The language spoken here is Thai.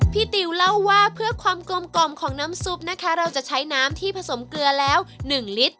ติวเล่าว่าเพื่อความกลมกล่อมของน้ำซุปนะคะเราจะใช้น้ำที่ผสมเกลือแล้ว๑ลิตร